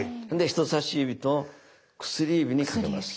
人さし指と薬指にかけます。